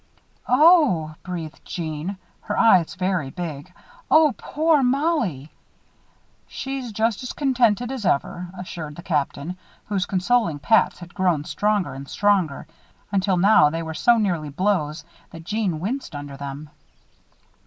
"Oh!" breathed Jeanne, her eyes very big. "Oh, poor Mollie!" "She's just as contented as ever," assured the Captain, whose consoling pats had grown stronger and stronger until now they were so nearly blows, that Jeanne winced under them.